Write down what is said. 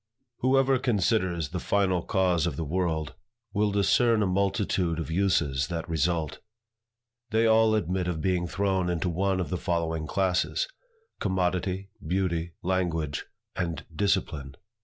WHOEVER considers the final cause of the world, will discern a multitude of uses that result. They all admit of being thrown into one of the following classes; Commodity; Beauty; Language; and Discipline.